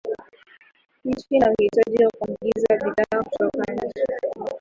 nchi ina uhitaji wa kuagiza bidhaa kutoka nje